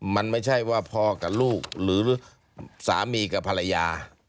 มันไม่ใช่ว่าพ่อกับลูกหรือสามีกับภรรยา